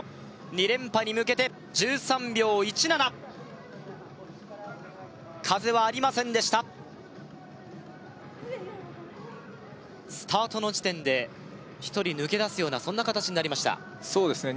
２連覇に向けて１３秒１７風はありませんでしたスタートの地点で１人抜け出すようなそんな形になりましたそうですね